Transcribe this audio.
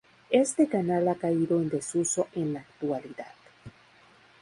Este canal ha caído en desuso en la actualidad.